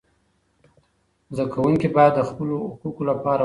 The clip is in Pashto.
زده کوونکي باید د خپلو حقوقو لپاره ودریږي.